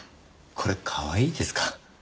これかわいいですか？